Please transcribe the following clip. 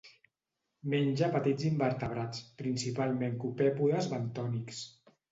Menja petits invertebrats, principalment copèpodes bentònics.